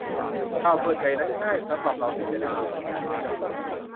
ข่าวส่วนใหญ่นั้นง่ายสำหรับเราที่จะได้ยิน